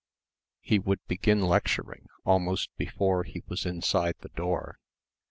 He would begin lecturing, almost before he was inside the door.